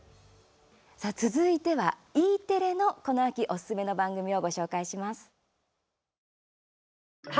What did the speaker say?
さあ、続いてはＥテレのこの秋おすすめの番組をご紹介します。